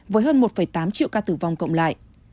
với hơn một tám triệu ca tử vong cộng lại